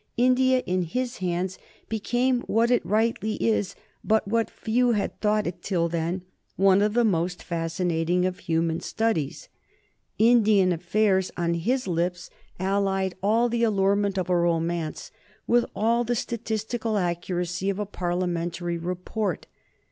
India in his hands became what it rightly is, but what few had thought it till then, one of the most fascinating of human studies. Indian affairs on his lips allied all the allurement of a romance with all the statistical accuracy of a Parliamentary report.